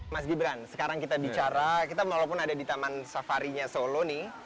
mas gibran sekarang kita bicara kita walaupun ada di taman safarinya solo nih